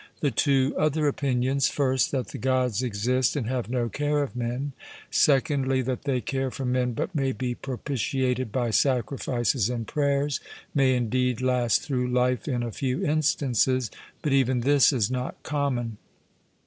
The two other opinions, first, that the Gods exist and have no care of men, secondly, that they care for men, but may be propitiated by sacrifices and prayers, may indeed last through life in a few instances, but even this is not common.